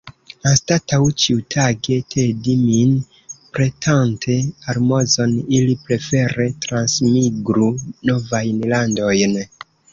Anstataŭ ĉiutage tedi min, petante almozon, ili prefere transmigru novajn landojn!